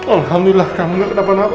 alhamdulillah kamu tidak terlalu apa apa